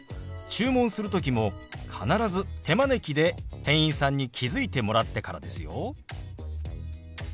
注文する時も必ず手招きで店員さんに気付いてもらってからですよ。